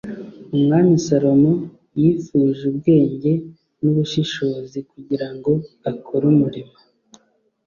umwami salomo yifuje ubwenge n'ubushishozi kugira ngo akore umurimo